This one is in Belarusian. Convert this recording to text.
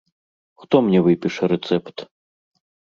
Хто мне выпіша рэцэпт?